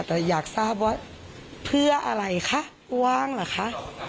แต่อยากทราบว่าเพื่ออะไรคะว่างเหรอคะ